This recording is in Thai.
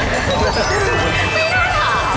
ไม่น่าถาม